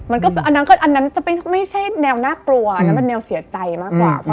อันนั้นก็อันนั้นจะไม่ใช่แนวน่ากลัวอันนั้นเป็นแนวเสียใจมากกว่า